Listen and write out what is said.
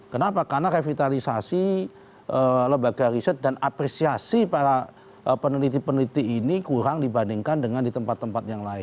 kenapa karena revitalisasi lembaga riset dan apresiasi para peneliti peneliti ini kurang dibandingkan dengan di tempat tempat yang lain